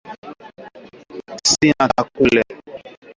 shina ta kule